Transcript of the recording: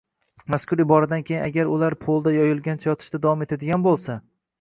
mazkur iboradan keyin agar ular polda yoyilgancha yotishda davom etadigan bo‘lsa